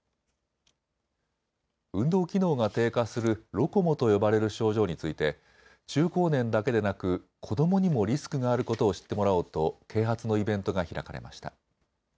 運動機能が低下するロコモと呼ばれる症状について中高年だけでなく子どもにもリスクがあることを知ってもらおうと啓発のイベントが開かれました。